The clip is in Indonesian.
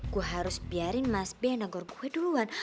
gue harus biarin mas peh yang nagor gue duluan